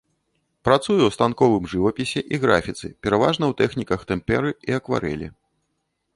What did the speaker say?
Працуе ў станковым жывапісе і графіцы, пераважна ў тэхніках тэмперы і акварэлі.